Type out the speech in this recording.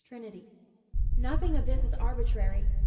317 Trinity.* Nothing of this is arbitrary.